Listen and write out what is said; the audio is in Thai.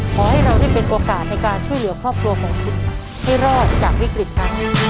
ขอให้เราได้เป็นโอกาสในการช่วยเหลือครอบครัวของคุณให้รอดจากวิกฤตนั้น